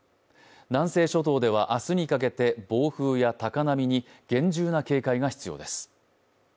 南西諸島では明日にかけて暴風や高波に厳重な警戒が必要です。